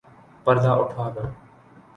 پردہ اٹھادو